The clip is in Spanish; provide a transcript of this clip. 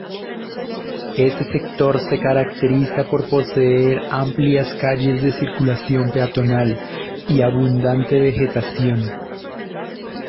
Ese sector se caracteriza por poseer amplias calles de circulación peatonal y abundante vegetación.